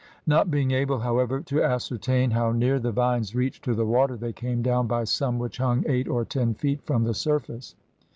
Not being able, however, to ascertain how near the vines reached to the water, they came down by some which hung eight or ten feet from the surface.